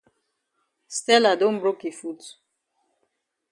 Stella don broke yi foot.